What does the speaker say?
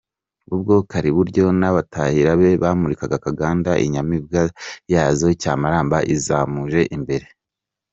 Ubwo Kariburyo n’abatahira be bamurikaga Akaganda inyamibwa yazo Cyamaramba izamuje imbere.